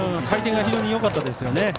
回転が非常によかったですね。